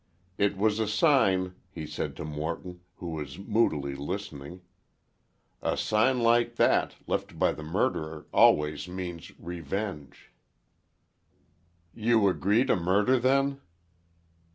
"It was a sign," he said to Morton, who was moodily listening. "A sign like that, left by the murderer, always means revenge." "You agree to murder, then?"